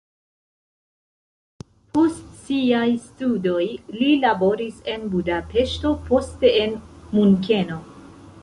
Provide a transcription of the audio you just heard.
Post siaj studoj li laboris en Budapeŝto, poste en Munkeno.